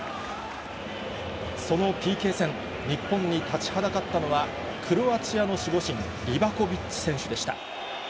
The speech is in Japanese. そのＰＫ戦、日本に立ちはだかったのは、クロアチアの守護神、リバコビッチ選手でした。